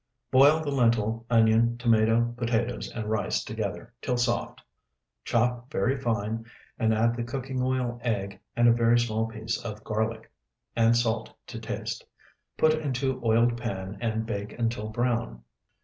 Boil the lentil, onion, tomato, potatoes, and rice together till soft; chop very fine and add the cooking oil, egg, and a very small piece of garlic, and salt to taste. Put into oiled pan and bake until brown.